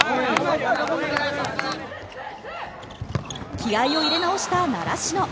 気合を入れ直した習志野。